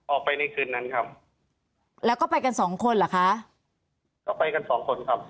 ในคืนนั้นครับแล้วก็ไปกันสองคนเหรอคะก็ไปกันสองคนครับ